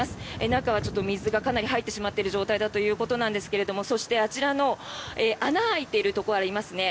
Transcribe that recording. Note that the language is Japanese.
中は水がかなり入ってしまっている状態だということですがそして、あちらの穴が開いているところがありますね。